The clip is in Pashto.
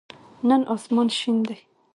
نن آسمان شین دی.